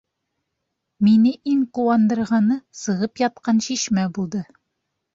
Мине иң ҡыуандырғаны сығып ятҡан шишмә булды.